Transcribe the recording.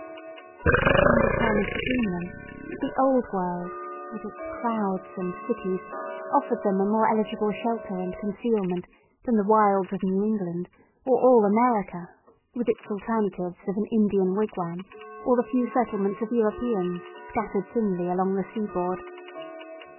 It had been determined between them that the Old World, with its crowds and cities, offered them a more eligible shelter and concealment than the wilds of New England or all America, with its alternatives of an Indian wigwam, or the few settlements of Europeans scattered thinly along the sea board.